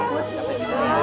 ayo kita mulai berjalan